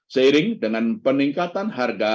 seiring dengan peningkatan harga